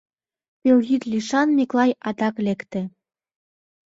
Пелйӱд лишан Миклай адак лекте.